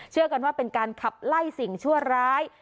กันว่าเป็นการขับไล่สิ่งชั่วร้าย